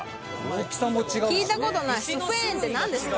聞いたことないスフェーンって何ですか？